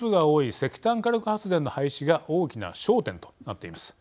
石炭火力発電の廃止が大きな焦点となっています。